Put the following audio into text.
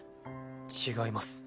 違います。